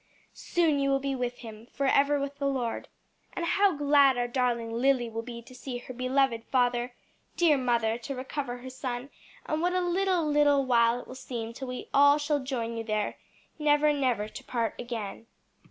Soon you will be with Him, 'forever with the Lord.' And how glad our darling Lily will be to see her beloved father; dear mother to recover her son; and what a little, little while it will seem till we all shall join you there, never, never to part again."